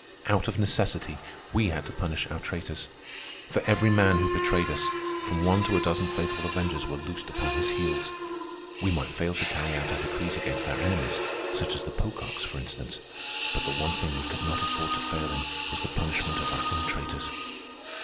Out of necessity we had to punish our traitors. For every man who betrayed us, from one to a dozen faithful avengers were loosed upon his heels. We might fail to carry out our decrees against our enemies, such as the Pococks, for instance; but the one thing we could not afford to fail in was the punishment of our own traitors.